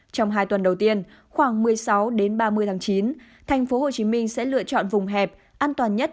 trong hai tuần đầu tiên khoảng một mươi sáu đến ba mươi tháng chín tp hcm sẽ lựa chọn vùng hẹp an toàn nhất